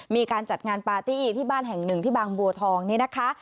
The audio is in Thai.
มีการจัดงานปาร์ตี้ที่บ้านแห่งหนึ่งที่บางบัวทองนี่นะคะ